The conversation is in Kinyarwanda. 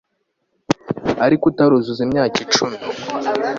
ariko utaruzuza imyaka icumi